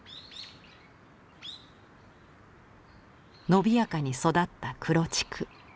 伸びやかに育った黒竹。